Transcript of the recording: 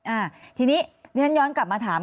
อ่าทีนี้เรียนย้อนกลับมาถาม